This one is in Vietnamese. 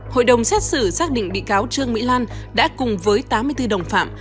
hội đồng xét xử xác định bị cáo trương mỹ lan đã cùng với tám mươi bốn đồng phạm